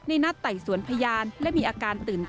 ในหน้าไต่สวนพยานและมีอาการตื่นเต้น